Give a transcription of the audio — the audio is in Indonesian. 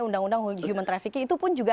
undang undang human trafficking itu pun juga